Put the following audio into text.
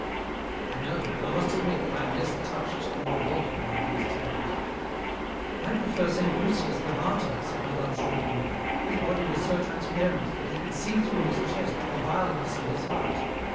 "I know, but I must admit that I am less touched than revolted by these tales." "I prefer Saint Lucius the martyr," said Mme. Chantelouve. "His body was so transparent that he could see through his chest the vileness of his heart.